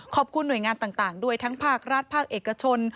หน่วยงานต่างด้วยทั้งภาครัฐภาคเอกชน